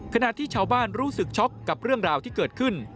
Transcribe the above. ขณะที่ชาวบ้านรู้สึกช็อกกับเรื่องราวที่เกิดขึ้น